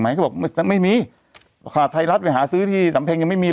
เขาบอกไม่มีขาดไทยรัฐไปหาซื้อที่สำเพ็งยังไม่มี